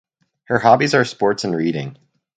Her hobbies are Sports and reading.